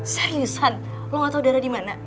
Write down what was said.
seriusan lo gak tau dara dimana